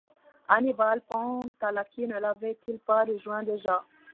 Annibal Pantalacci ne l’avait-il pas rejoint déjà?